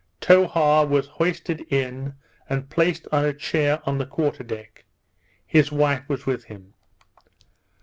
Towha was hoisted in and placed on a chair on the quarter deck; his wife was with him.